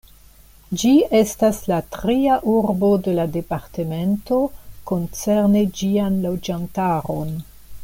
Ĝi estas la tria urbo de la departemento koncerne ĝian loĝantaron.